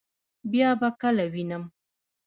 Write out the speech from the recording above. بیا به کله وینم؟